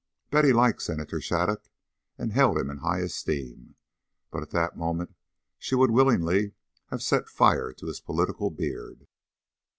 Betty liked Senator Shattuc, and held him in high esteem, but at that moment she would willingly have set fire to his political beard.